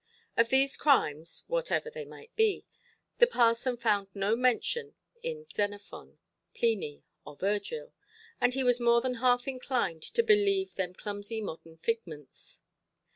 Of these crimes, whatever they might be, the parson found no mention in Xenophon, Pliny, or Virgil, and he was more than half inclined to believe them clumsy modern figments.